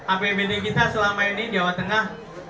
apbd kita selama ini jawa tengah